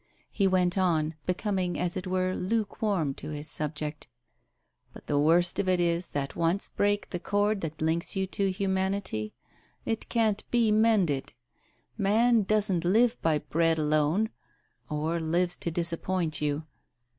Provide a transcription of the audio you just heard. He went on, becoming as it were lukewarm to his subject — "But the worst of it is that once break the cord that links you to humanity — it can't be mended. Man doesn't live by bread alone ... or lives to disappoint you.